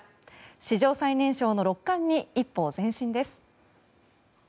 史上最年少の六冠に一歩前進です。